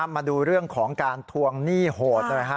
มาดูเรื่องของการทวงหนี้โหดเลย